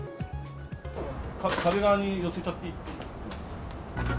壁側に寄せちゃって。